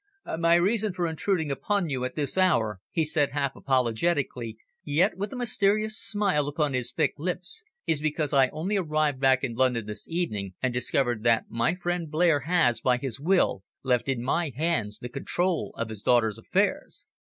"My reason for intruding upon you at this hour," he said half apologetically, yet with a mysterious smile upon his thick lips, "is because I only arrived back in London this evening and discovered that my friend Blair has, by his will, left in my hands the control of his daughter's affairs."